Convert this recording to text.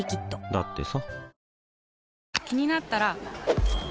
だってさ